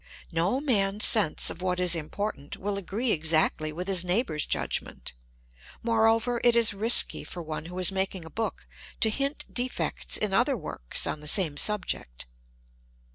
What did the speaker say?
No man's sense of what is important will agree exactly with his neighboiu*'s judgment; moreover, it is risky for one who. is making a book to hint defects in other works on the same subject.